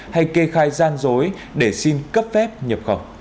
hay kê khai gian dối để xin cấp phép nhập khẩu